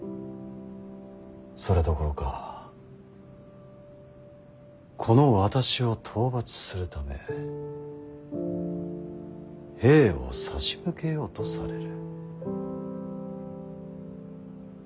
それどころかこの私を討伐するため兵を差し向けようとされる。